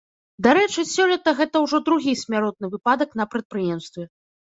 Дарэчы, сёлета гэта ўжо другі смяротны выпадак на прадпрыемстве.